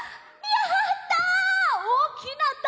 やった！